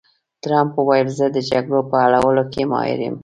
ټرمپ وویل، زه د جګړو په حلولو کې ماهر یم.